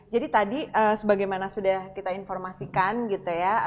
jadi tadi sebagaimana sudah kita informasikan gitu ya